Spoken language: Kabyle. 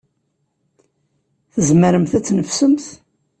Tzemremt ad tneffsemt?